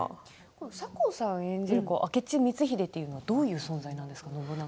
酒向さん演じる明智光秀というのはどういう存在なんですか。